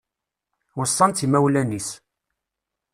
Weṣṣan-tt imawlan-is